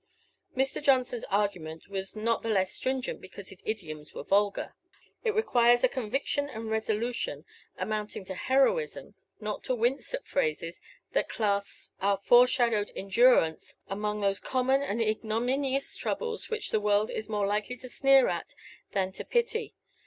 Mr. Johnson's argument was not the less stringent because his idioms were vulgar. It requires a conviction and resolution amounting to heroism not to wince at phrases that class our foreshadowed endurance among those common and ignominious troubles which the world is more likely to sneer at than to pity.